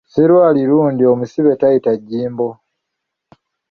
Sserwali lundi omusibe tayita jjimbo.